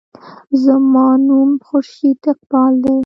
زما نوم خورشید اقبال دے.